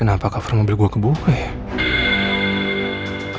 kenapa cover mobil gue kebuka ya